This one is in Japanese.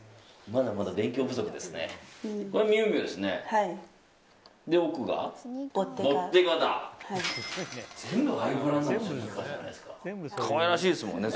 まだまだ勉強不足ですね。